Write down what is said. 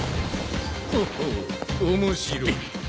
ほほう面白い。